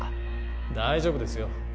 大丈夫ですよ